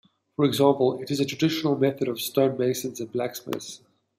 For example, it is a traditional method for stonemasons and blacksmiths.